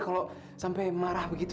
kalau sampai marah begitu